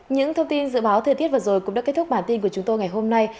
những thông tin dự báo thời tiết vừa rồi cũng đã kết thúc bản tin của chúng tôi ngày hôm nay